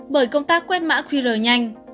bởi công tác quét mã khuy rời nhanh